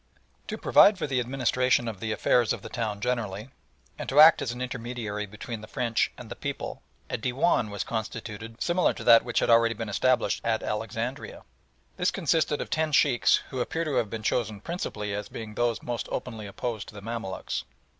To provide for the administration of the affairs of the town generally, and to act as an intermediary between the French and the people, a Dewan was constituted similar to that which had already been established at Alexandria. This consisted of ten Sheikhs, who appear to have been chosen principally as being those most openly opposed to the Mamaluks.